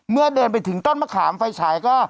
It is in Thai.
เดินไปถึงต้นมะขามไฟฉายก็